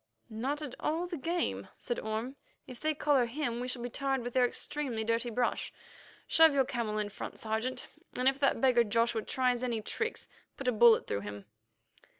"Not at all the game," said Orme. "If they collar him, we shall be tarred with their extremely dirty brush. Shove your camel in front, Sergeant, and if that beggar Joshua tries any tricks, put a bullet through him."